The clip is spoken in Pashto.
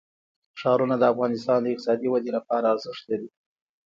ښارونه د افغانستان د اقتصادي ودې لپاره ارزښت لري.